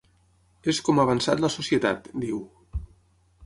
És com ha avançat la societat, diu.